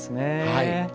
はい。